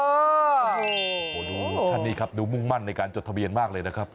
โอ้โหดูท่านนี้ครับดูมุ่งมั่นในการจดทะเบียนมากเลยนะครับ